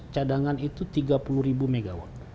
cadangan itu tiga puluh mw